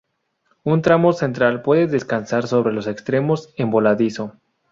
Un tramo central puede descansar sobre los extremos en voladizo.